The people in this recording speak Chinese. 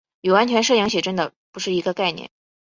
与完全摄影写真的不是一个概念。